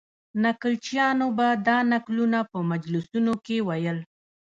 نکلچیانو به دا نکلونه په مجلسونو کې ویل.